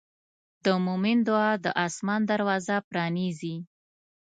د مؤمن دعا د آسمان دروازه پرانیزي.